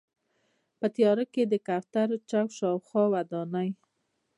په تیاره کې د کوترو چوک شاوخوا ودانۍ.